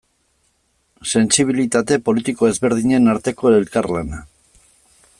Sentsibilitate politiko ezberdinen arteko elkarlana.